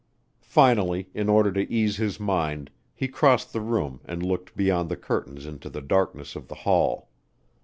Finally, in order to ease his mind, he crossed the room and looked beyond the curtains into the darkness of the hall.